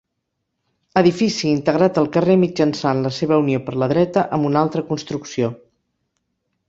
Edifici integrat al carrer mitjançant la seva unió per la dreta amb una altra construcció.